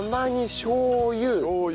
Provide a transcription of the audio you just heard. しょう油。